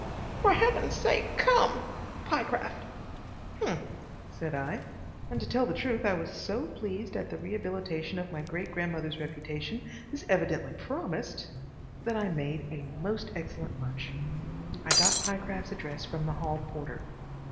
"For Heaven's sake come.—Pyecraft." "H'm," said I, and to tell the truth I was so pleased at the rehabilitation of my great grandmother's reputation this evidently promised that I made a most excellent lunch. I got Pyecraft's address from the hall porter.